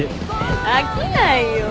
飽きないよ。